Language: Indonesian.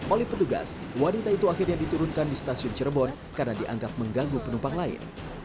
oleh petugas wanita itu akhirnya diturunkan di stasiun cirebon karena dianggap mengganggu penumpang lain